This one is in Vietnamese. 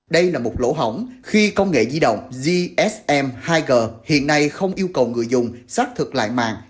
đây là một lỗ hỏng khi công nghệ di động gsm hai g hiện nay không yêu cầu người dùng xác thực lại mạng